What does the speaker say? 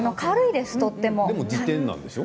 でも辞典なんでしょう。